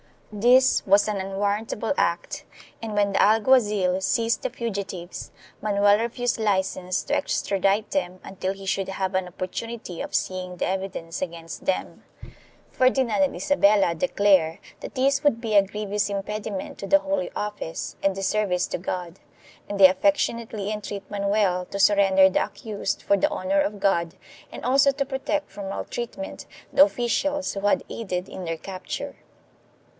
This was an unwarrantable act and, when the alguazil seized the fugitives, Manoel refused license to extradite them until he should have an opportunity of seeing the evidence against them. Ferdi nand and Isabella declare that this would be a grievous impedi ment to the Holy Office and disservice to God and they affection ately entreat Manoel to surrender the accused for the honor of God and also to protect from maltreatment the officials who had aided in their capture.